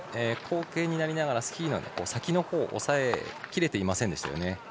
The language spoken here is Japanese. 後傾になりながらスキーの先のほうを押さえきれていませんでした。